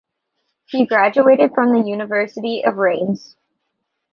He graduated from the University of Rennes.